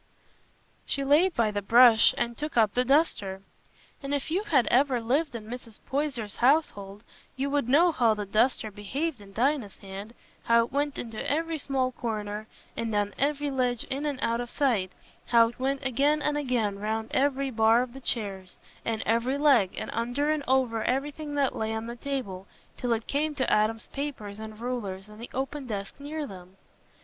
She laid by the brush and took up the duster; and if you had ever lived in Mrs. Poyser's household, you would know how the duster behaved in Dinah's hand—how it went into every small corner, and on every ledge in and out of sight—how it went again and again round every bar of the chairs, and every leg, and under and over everything that lay on the table, till it came to Adam's papers and rulers and the open desk near them.